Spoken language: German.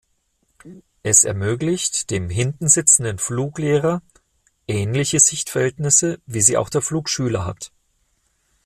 Es ermöglicht dem hinten sitzenden Fluglehrer ähnliche Sichtverhältnisse wie sie auch der Flugschüler hat.